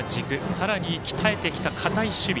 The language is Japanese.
さらに鍛えてきた堅い守備。